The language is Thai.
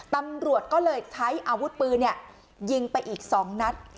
ตำรวจก็เลยใช้อาวุธปืนยิงไปอีก๒นัด